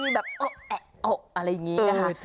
แบบโอ๊ะแอะอกอะไรอย่างนี้นะคะ